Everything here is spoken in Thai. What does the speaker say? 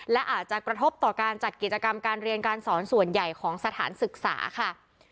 และอาจจะกระทบต่อการจัดกิจกรรมการเรียนการสอนส่วนใหญ่ของสถานศึกษาค่ะ